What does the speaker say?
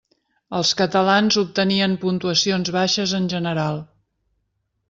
Els catalans obtenien puntuacions baixes en general.